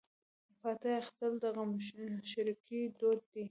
فاتحه اخیستل د غمشریکۍ دود دی.